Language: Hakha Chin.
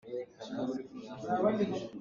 Aa tar-ta-hak.